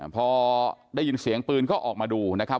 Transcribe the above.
พอได้ยินเสียงปืนก็ออกมาดูนะครับ